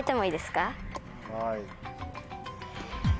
はい。